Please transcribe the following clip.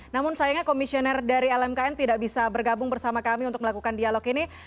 namun sayangnya komisioner dari lmkn tidak bisa bergabung bersama kami untuk melakukan dialog ini